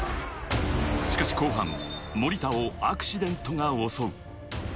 しかし後半、森田をアクシデントが襲う。